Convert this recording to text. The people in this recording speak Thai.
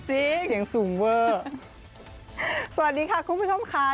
จริงหรอจริงยังสูงเวอร์สวัสดีค่ะคุณผู้ชมค่ะ